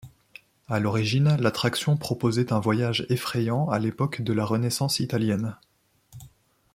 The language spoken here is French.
À l'origine, l'attraction proposait un voyage effrayant à l'époque de la Renaissance italienne.